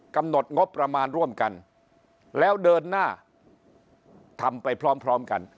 กำหนดงบประมาณร่วมกันแล้วเดินหน้าทำไปพร้อมพร้อมกัน